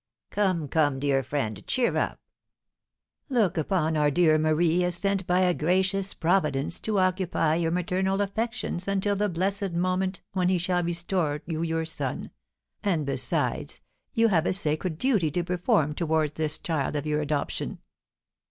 "Come, come, dear friend, cheer up! Look upon our dear Marie as sent by a gracious Providence to occupy your maternal affections until the blessed moment when he shall restore you your son; and, besides, you have a sacred duty to perform towards this child of your adoption.